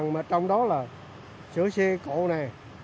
mà trong đó là sữa siêng cổ này